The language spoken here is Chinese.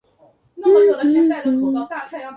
其他还原器其他氧化剂